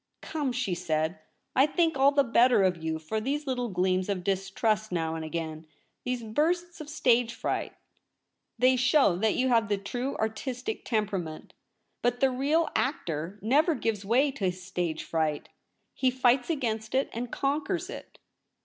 * Come,' she said, ' I think all the better of you for these little gleams of distrust now and again — these bursts of stage fright. They show that you have the true artistic tempera ment. But the real actor never gives way to his stage fright ; he fights against it and conquers it.